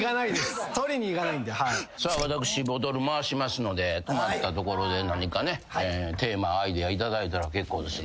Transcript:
私ボトル回しますので止まったところで何かテーマアイデア頂いたら結構です。